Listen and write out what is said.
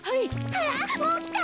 あらもうきた。